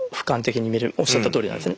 おっしゃったとおりなんですね。